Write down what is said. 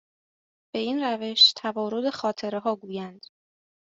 به این روش توارد خاطرهها گویند